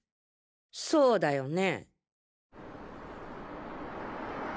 そうだよね。